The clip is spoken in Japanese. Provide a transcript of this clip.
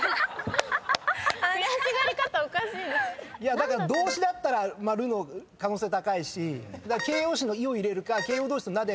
だから動詞だったら「る」の可能性高いし形容詞の「い」を入れるか形容動詞の「な」で。